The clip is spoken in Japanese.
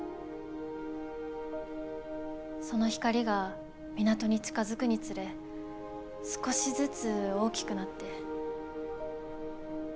その光が港に近づくにつれ少しずつ大きくなって。